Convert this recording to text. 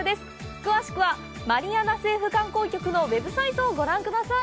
詳しくは「マリアナ政府観光局」のウェブサイトをご覧ください。